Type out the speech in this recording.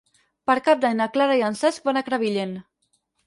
Per Cap d'Any na Clara i en Cesc van a Crevillent.